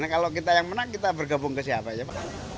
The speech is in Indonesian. kalau kita yang menang kita bergabung ke siapa aja pak